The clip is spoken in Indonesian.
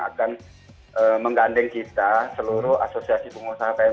akan menggandeng kita seluruh asosiasi pemerintah yang ada di palembang